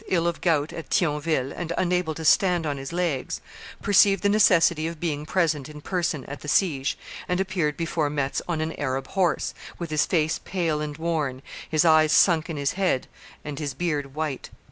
ill of gout at Thionville, and unable to stand on his legs, perceived the necessity of being present in person at the siege, and appeared before Metz on an Arab horse, with his face pale and worn, his eyes sunk in his head, and his beard white.